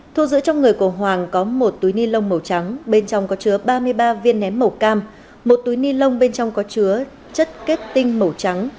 thu giữ trong người của hoàng có một túi ni lông màu trắng bên trong có chứa ba mươi ba viên nén màu cam một túi ni lông bên trong có chứa chất kết tinh màu trắng